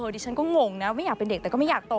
ดิฉันก็งงนะไม่อยากเป็นเด็กแต่ก็ไม่อยากโต